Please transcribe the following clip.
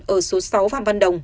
ở số sáu phạm văn đồng